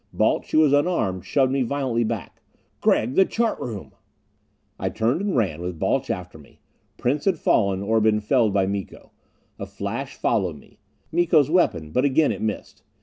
Balch, who was unarmed, shoved me violently back. "Gregg the chart room!" I turned and ran, with Balch after me. Prince had fallen, or been felled by Miko. A flash followed me. Miko's weapon, but again it missed.